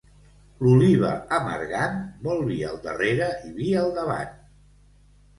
L'oliva amargant vol vi al darrere i vi al davant.